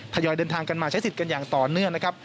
ทยอยเดินทางกันมาใช้สิทธิ์กันอย่างต่อเนื่องนะครับ